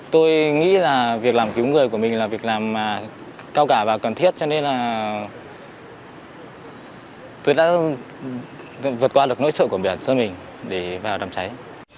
tôi nghĩ là việc làm cứu người của mình là việc làm cao cả và cần thiết cho nên là tôi đã vượt qua được nỗi sợ của mình để vào đàm cháy